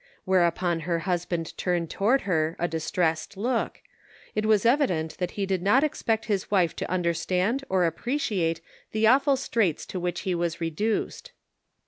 Whereupon her husband turned toward her a distressed look ; it was evident that he did 402 The Pocket Measure. not expect his wife to understand or appreciate the awful straits to which he was reduced.